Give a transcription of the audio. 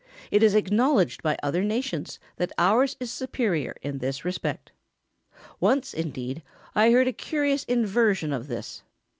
It is acknowledged by other nations that ours is superior in this respect. Once, indeed, I heard a curious inversion of this.